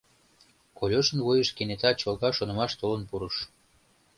— Колюшын вуйыш кенета чолга шонымаш толын пурыш.